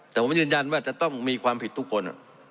แต่ผมยืนยันว่าจะต้องมีความผิดทุกคน